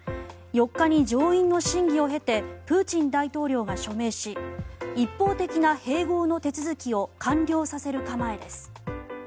４日に上院の審議を経てプーチン大統領が署名し一方的な併合の手続きを完了させる構えです。